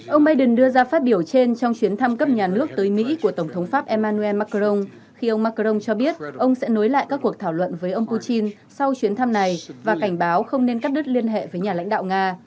ông biden đưa ra phát biểu trên trong chuyến thăm cấp nhà nước tới mỹ của tổng thống pháp emmanuel macron khi ông macron cho biết ông sẽ nối lại các cuộc thảo luận với ông putin sau chuyến thăm này và cảnh báo không nên cắt đứt liên hệ với nhà lãnh đạo nga